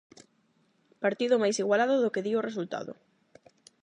Partido máis igualado do que di o resultado.